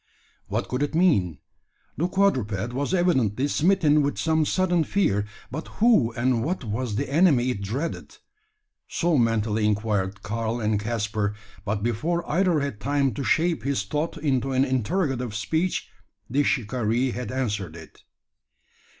What could it mean? The quadruped was evidently smitten with some sudden fear; but who and what was the enemy it dreaded? So mentally inquired Karl and Caspar; but before either had time to shape his thought into an interrogative speech, the shikaree had answered it.